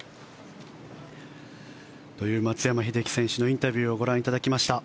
という松山英樹選手のインタビューをご覧いただきました。